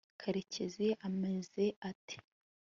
karekezi ameze ate